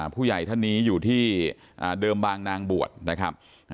ผู้ใหญ่ท่านนี้อยู่ที่เดิมบางนางบวชนะครับ